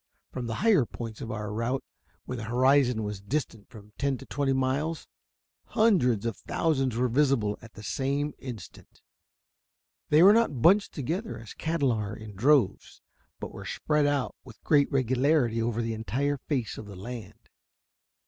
From the higher points of our route, when the horizon was distant from ten to twenty miles, hundreds of thousands were visible at the same instant. They were not bunched together as cattle are, in droves, but were spread out with great regularity over the entire face of the land.